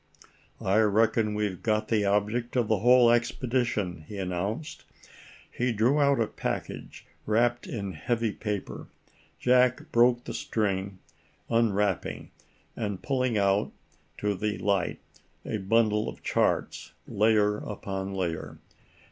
"I reckon we've got the object of the whole expedition," he announced. He drew out a package wrapped in heavy paper. Jack broke the string, unwrapping, and pulling out to the light, a bundle of charts, layer upon layer.